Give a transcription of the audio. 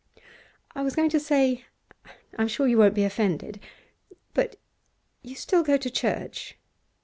'I was going to say I'm sure you won't be offended. But you still go to church?